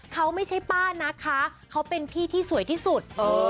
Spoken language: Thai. เขาไม่ใช่ป้านะคะเขาเป็นพี่ที่สวยที่สุด